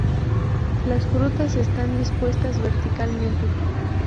Las frutas están dispuestas verticalmente.